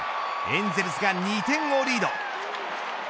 エンゼルスが２点をリード。